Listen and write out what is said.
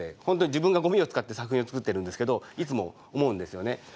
本当に自分がゴミを使って作品を作ってるんですけどいつも思うんですよね。